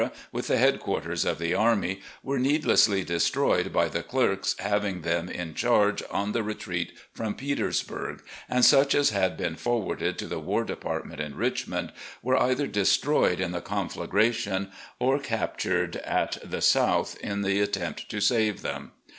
with the headquarters of the army, were needlessly destroyed by the clerks having them in charge on the retreat from Petersburg, and such as had been forwarded to the War Department in Richmond were either destroyed in the conflagration or captured at the South in the attempt to save them.